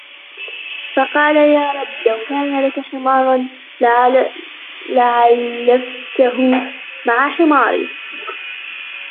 فَقَالَ يَا رَبِّ لَوْ كَانَ لَك حِمَارٌ لَعَلَفْته مَعَ حِمَارِي